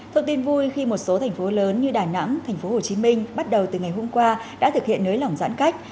thực tin vui khi một số thành phố lớn như đà nẵng thành phố hồ chí minh bắt đầu từ ngày hôm qua đã thực hiện nới lỏng giãn cách